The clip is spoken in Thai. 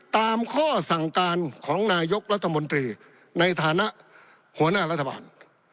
ตามข้อสั่งการของนายกรัฐมนตรีในฐานะหัวหน้ารัฐบาล